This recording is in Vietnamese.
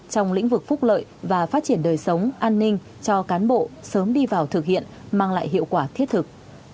trong lĩnh vực phúc lợi và phát triển đời sống an ninh cho cán bộ sớm đi vào thực hiện mang lại hiệu quả thiết thực